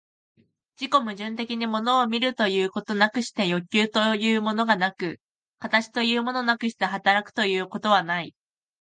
自己矛盾的に物を見るということなくして欲求というものがなく、形というものなくして働くということはない。